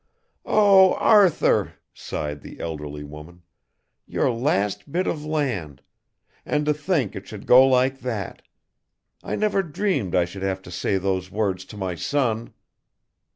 "Oh, Arthur," sighed the elderly woman. "Your last bit of land and to think it should go like that. I never dreamed I should have to say those words to my son."